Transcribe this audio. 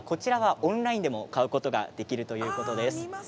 オンラインでも買うことができるということです。